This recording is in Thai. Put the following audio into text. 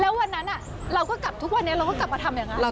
แล้ววันนั้นเราก็กลับทุกวันนี้เราก็กลับมาทำอย่างนั้น